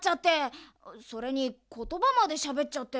それにことばまでしゃべっちゃって。